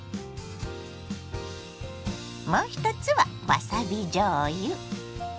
もう一つはわさびじょうゆ。